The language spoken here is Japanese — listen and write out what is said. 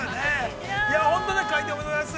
本当開店おめでとうございます。